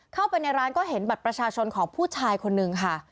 เข้าไปในร้านก็เห็นบัตรประชาชนของผู้ชายคนนึงค่ะ